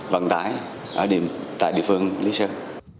vận tải tại địa phương lý sơn